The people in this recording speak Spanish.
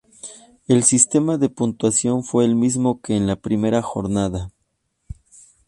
El sistema de puntuación fue el mismo que en la primera jornada.